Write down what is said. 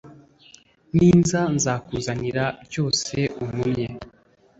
Ninza nzakuzanira byose untumye